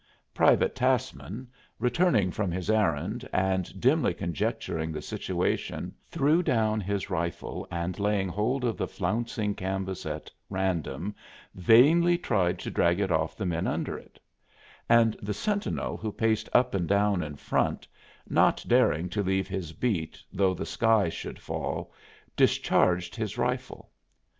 Private Tassman, returning from his errand and dimly conjecturing the situation, threw down his rifle and laying hold of the flouncing canvas at random vainly tried to drag it off the men under it; and the sentinel who paced up and down in front, not daring to leave his beat though the skies should fall, discharged his rifle.